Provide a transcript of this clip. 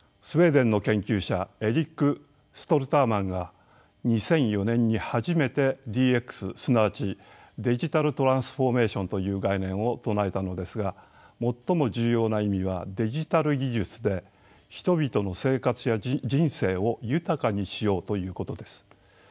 スウェーデンの研究者エリック・ストルターマンが２００４年に初めてＤＸすなわちデジタルトランスフォーメーションという概念を唱えたのですが最も重要な意味はデジタル技術で人々の生活や人生を豊かにしようということです。